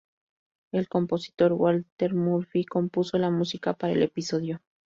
El compositor Walter Murphy compuso la música para el episodio.